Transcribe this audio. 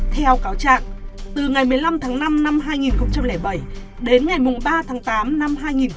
theo cáo trạng từ ngày một mươi năm tháng năm năm hai nghìn bảy đến ngày ba tháng tám năm hai nghìn một mươi ba